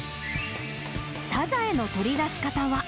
サザエの取り出し方は。